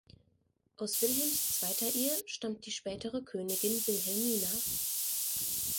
Aus Wilhelms zweiter Ehe stammt die spätere Königin Wilhelmina.